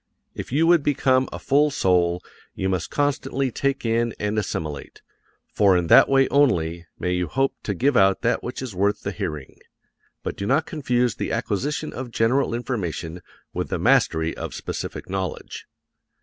If you would become a full soul you must constantly take in and assimilate, for in that way only may you hope to give out that which is worth the hearing; but do not confuse the acquisition of general information with the mastery of specific knowledge.